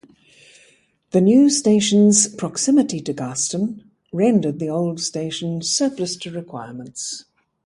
The new station's proximity to Garston rendered the old station surplus to requirements.